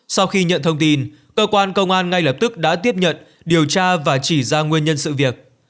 sau khi nhận thông tin cơ quan công an ngay lập tức đã tiếp nhận điều tra và chỉ ra nguyên nhân sự việc